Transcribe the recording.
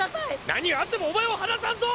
何があってもお前を放さんぞ！